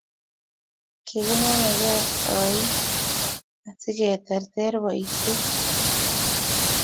kiginamegei oin asigeterter boishet